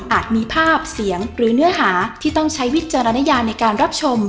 มีภาพเสียงหรือเนื้อหาที่ต้องใช้วิจารณญาในการรับชม